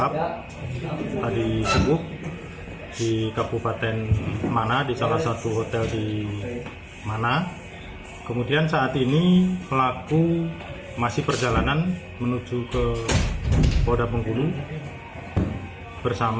polisi juga mengamankan emas dan sejumlah uang yang diduga milik korban